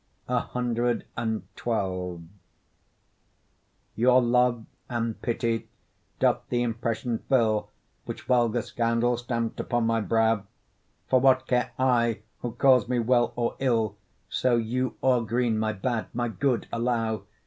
CXII Your love and pity doth the impression fill, Which vulgar scandal stamp'd upon my brow; For what care I who calls me well or ill, So you o'er green my bad, my good allow?